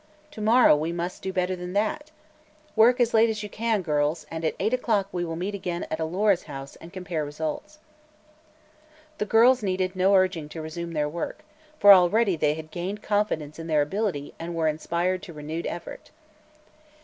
To morrow we must do better than that. Work as late as you can, girls, and at eight o'clock we will meet again at Alora's house and compare results." The girls needed no urging to resume their work, for already they had gained confidence in their ability and were inspired to renewed effort.